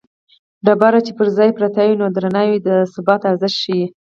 ډبره چې پر ځای پرته وي درنه وي د ثبات ارزښت ښيي